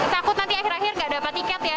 takut nanti akhir akhir nggak dapat tiket ya